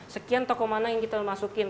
sekian toko mana yang kita masukin